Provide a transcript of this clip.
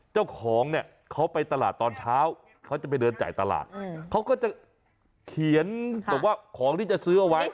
เจ้าของเนี่ยเขาไปตลาดตอนเช้าเขาจะไปเดินจ่ายตลาดเขาก็จะเขียนแบบว่าของที่จะซื้อเอาไว้